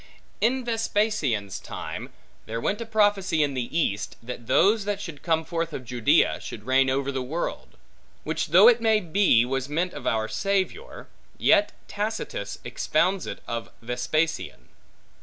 In Vespasian's time, there went a prophecy in the East, that those that should come forth of Judea, should reign over the world: which though it may be was meant of our Savior; yet Tacitus expounds it of Vespasian.